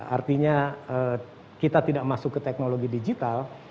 artinya kita tidak masuk ke teknologi digital